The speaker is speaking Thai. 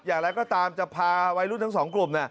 อย่างไรก็ตามจะพาวัยรุ่นทั้งสองกลุ่ม